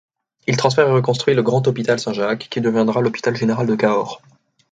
Il transfère et reconstruit le grand hôpital Saint-Jacques, qui deviendra l'hôpital général de Cahors.